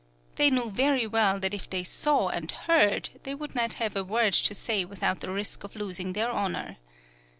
They knew very well that if they saw and heard they would not have a word to say without the risk of losing their honour.